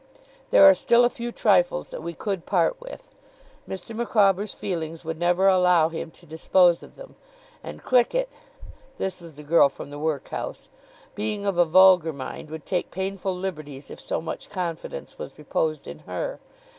There are still a few trifles that we could part with. Mr. Micawber's feelings would never allow him to dispose of them; and Clickett' this was the girl from the workhouse 'being of a vulgar mind, would take painful liberties if so much confidence was reposed in her.